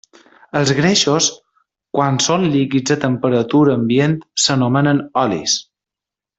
Els greixos, quan són líquids a temperatura ambient, s'anomenen olis.